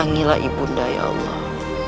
ringilah ibunda ya allah